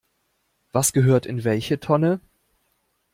Was gehört in welche Tonne?